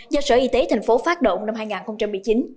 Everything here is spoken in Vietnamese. do sở y tế tp hcm phát động năm hai nghìn một mươi chín